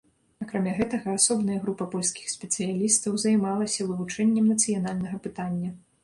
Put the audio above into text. Акрамя гэтага, асобная група польскіх спецыялістаў займалася вывучэннем нацыянальнага пытання.